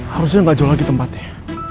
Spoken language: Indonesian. harusnya nggak jauh lagi tempatnya